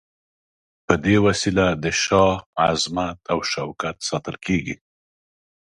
په دې وسیله د شاه عظمت او شوکت ساتل کیږي.